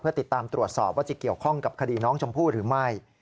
ติดตามตรวจสอบว่าจะเกี่ยวข้องกับคดีน้องชมพู่หรือไม่